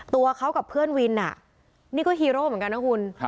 ตัวเขากับเพื่อนวินนี่ก็ฮีโร่เหมือนกันนะคุณ